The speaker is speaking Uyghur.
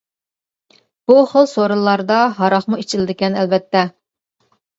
بۇ خىل سورۇنلاردا ھاراقمۇ ئىچىلىدىكەن ئەلۋەتتە.